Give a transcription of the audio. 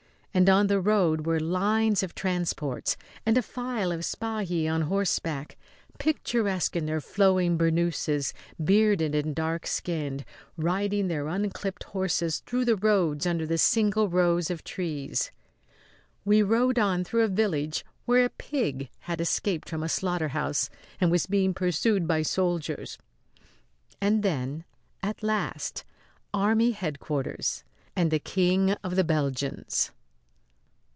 And on the road were lines of transports and a file of Spahis on horseback, picturesque in their flowing burnouses, bearded and dark skinned, riding their unclipped horses through the roads under the single rows of trees. We rode on through a village where a pig had escaped from a slaughterhouse and was being pursued by soldiers and then, at last, army headquarters and the King of the Belgians.